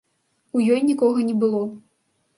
У ёй нікога не было.